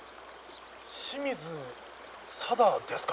清水さだですか？